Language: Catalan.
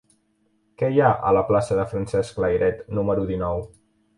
Què hi ha a la plaça de Francesc Layret número dinou?